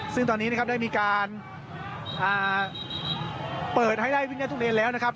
ซึ่งตอนนี้นะครับได้มีการเปิดให้ได้วิ่งได้ทุเรียนแล้วนะครับ